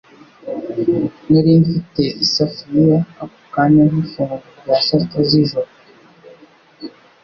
Nari mfite isafuriya ako kanya nk'ifunguro rya saa sita z'ijoro.